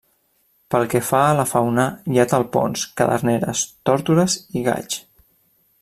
Pel que fa a la fauna, hi ha talpons, caderneres, tórtores i gaigs.